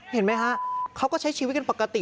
เห็นไหมฮะเขาก็ใช้ชีวิตกันปกติ